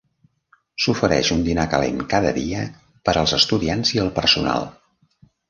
S'ofereix un dinar calent cada dia per als estudiants i el personal.